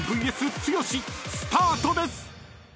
［スタートです！］